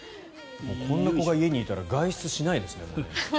こんな子が家にいたら外出しないですね。